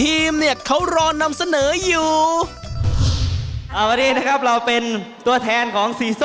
ตลงกว่ายิ่งย่องตลงกว่ายิ่งย่องอีก